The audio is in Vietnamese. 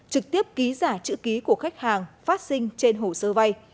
trực tiếp ký giả chữ ký của khách hàng phát sinh trên hồ sơ vay